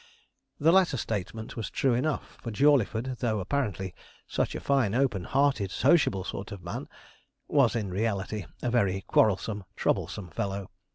The latter statement was true enough, for Jawleyford, though apparently such a fine open hearted, sociable sort of man, was in reality a very quarrelsome, troublesome fellow.